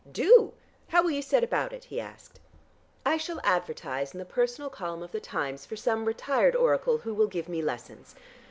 "Do! How will you set about it?" he asked. "I shall advertise in the Personal Column of the Times, for some retired oracle who will give me lessons.